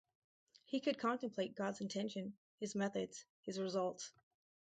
He could contemplate God's intention, His methods, His results.